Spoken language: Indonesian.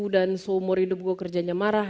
seumur hidup gue kerjanya marah